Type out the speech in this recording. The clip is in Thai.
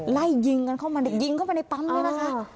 ไล่ยิงกันเข้ามายิงเข้าไปในปั๊มเนี่ยนะคะ